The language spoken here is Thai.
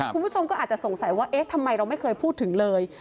คุณผู้ชมก็อาจจะสงสัยว่าเอ๊ะทำไมเราไม่เคยพูดถึงเลย